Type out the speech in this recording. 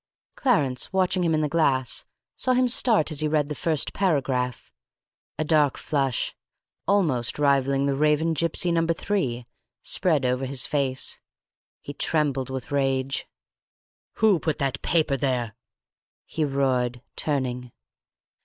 Clarence, watching him in the glass, saw him start as he read the first paragraph. A dark flush, almost rivalling the Raven Gipsy No. 3, spread over his face. He trembled with rage. "Who put that paper there?" he roared, turning.